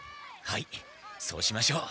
はいそうしましょう。